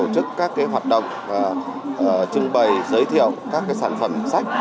đức các hoạt động trưng bày giới thiệu các sản phẩm sách